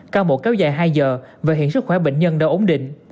cao mộ kéo dài hai giờ và hiện sức khỏe bệnh nhân đã ổn định